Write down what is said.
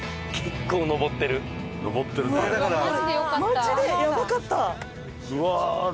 マジでやばかった！